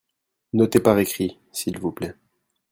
Notez par écrit, s'il vous plait.